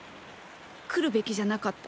来るべきじゃなかった